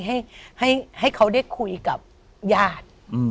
ให้เค้าได้คุยกับยาด